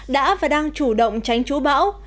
đã và đang chủ động tránh chú bão